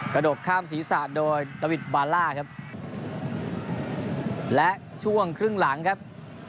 กระดกข้ามศีรษะโดยตะวิดบาล่าครับและช่วงครึ่งหลังครับ